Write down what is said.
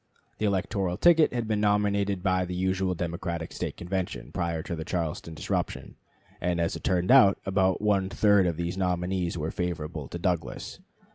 The electoral ticket had been nominated by the usual Democratic State Convention (March 1) prior to the Charleston disruption, and, as it turned out, about one third of these nominees were favorable to Douglas.